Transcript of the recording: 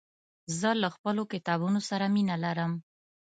زه له خپلو کتابونو سره مينه لرم.